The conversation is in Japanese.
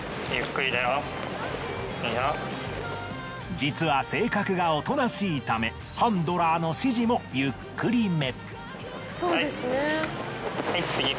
実は性格がおとなしいためハンドラーの指示もゆっくりめ。